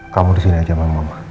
kamu disini aja sama mama